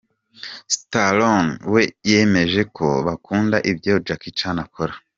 Stallone we yemeje ko bakunda ibyo Jackie Chan akora.